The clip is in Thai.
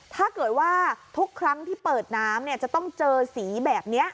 ถ้าเกิดว่าทุกครั้งที่เปิดน้ำจะต้องเจอสีแบบนี้